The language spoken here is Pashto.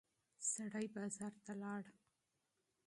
سړی بازار ته لاړ.